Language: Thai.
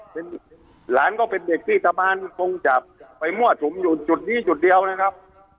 เป็นหลานก็เป็นเด็กที่ตะบานคงจะไปมั่วสุมอยู่จุดนี้จุดเดียวนะครับ